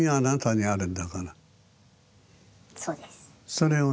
それをね